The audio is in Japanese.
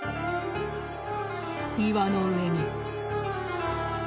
岩の上に。